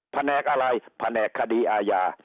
แผนกอะไรแผนกคดีอาญา